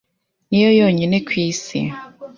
Niyo yonyine ku isi.